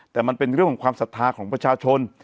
แต่มันเป็นเรื่องของความศรัทธาของประชาชน